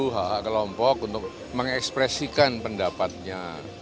hak hak kelompok untuk mengekspresikan pendapatnya